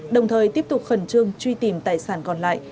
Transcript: đồng thời tiếp tục khẩn trương truy tìm tài sản còn lại